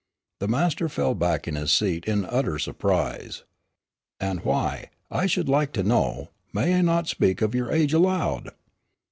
The master fell back in his seat in utter surprise. "And, why, I should like to know, may I not speak of your age aloud?"